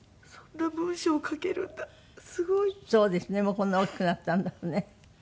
もうこんな大きくなったんだろうね。